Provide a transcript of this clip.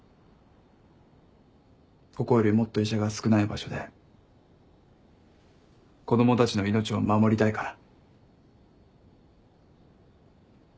ここよりもっと医者が少ない場所で子供たちの命を守りたいから。